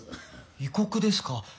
異国ですか？